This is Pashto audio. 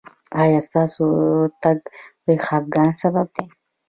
ایا ستاسو تګ د خفګان سبب دی؟